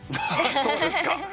そうですか。